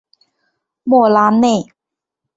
莫拉内。